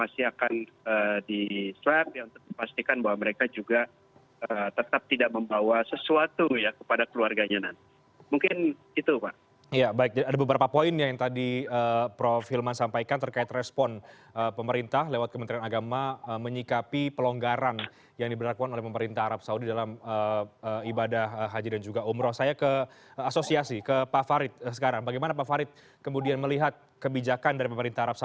sebagai tetap tindakan preventif